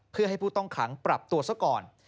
เพื่อให้ผู้ต้องขังปรับตัวซะก่อน